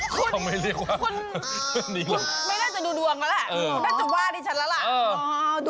คุณไม่ได้จะดูดวงแล้วแหละแม่งจะว่าดิฉันแล้วแหละ